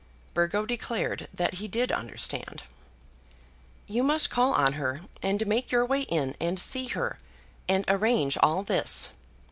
Burgo declared that he did understand. "You must call on her, and make your way in, and see her, and arrange all this.